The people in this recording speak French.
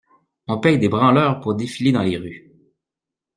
On paye des branleurs pour défiler dans les rues.